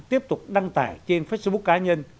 tiếp tục đăng tải trên facebook cá nhân